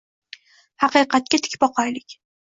Haqiqatga tik boqaylik.